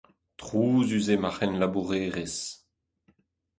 Trouzus eo ma c'henlabourerez.